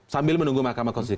sambil menunggu mahkamah konstitusi